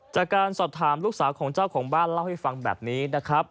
จากการสอบถามลูกสาวของเจ้าของบ้านเล่าให้ฟังแบบนี้นะครับ